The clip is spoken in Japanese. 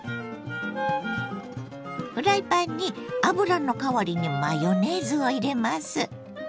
フライパンに油の代わりにマヨネーズを入れます。